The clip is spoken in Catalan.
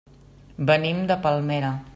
Venim de Palmera.